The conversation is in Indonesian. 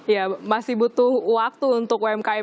iya masih butuh waktu untuk umkm ini